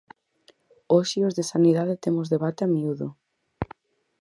Hoxe os de sanidade temos debate a miúdo.